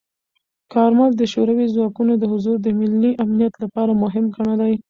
کارمل د شوروي ځواکونو حضور د ملي امنیت لپاره مهم ګڼلی.